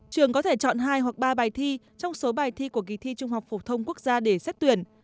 trường có thể chọn hai hoặc ba bài thi trong số bài thi của kỳ thi trung học phổ thông quốc gia để xét tuyển